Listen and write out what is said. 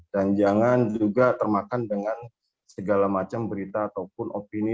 dan jangan juga termakan dengan segala macam berita ataupun opini